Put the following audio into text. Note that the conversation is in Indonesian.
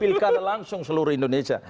pilkada langsung seluruh indonesia